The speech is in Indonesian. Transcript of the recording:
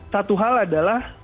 satu hal adalah